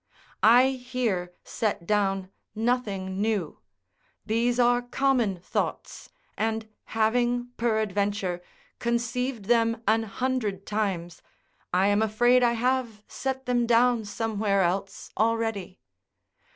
I here set down nothing new. These are common thoughts, and having, peradventure, conceived them an hundred times, I am afraid I have set them down somewhere else already.